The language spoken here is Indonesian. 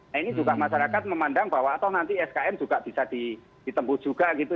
nah ini juga masyarakat memandang bahwa atau nanti iskm juga bisa ditembus juga gitu